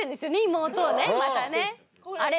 妹をねまたねあれ？